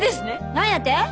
何やて！